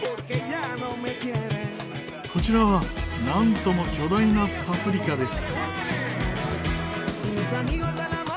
こちらはなんとも巨大なパプリカです。